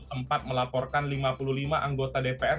sempat melaporkan lima puluh lima anggota dpr